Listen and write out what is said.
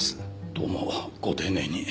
どうもご丁寧に。